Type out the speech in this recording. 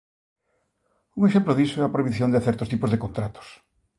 Un exemplo diso é a prohibición de certos tipos de contratos.